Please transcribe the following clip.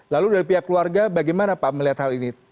lalu dari pihak keluarga bagaimana pak melihat hal ini